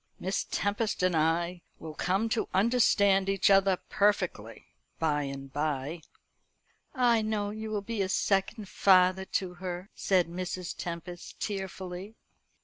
Miss Tempest and I will come to understand each other perfectly by and by." "I know you will be a second father to her," said Mrs. Tempest tearfully.